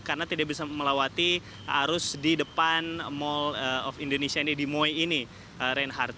karena tidak bisa melawati arus di depan mall of indonesia di moe ini reinhardt